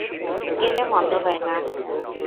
গেলে মন্দ হয়না।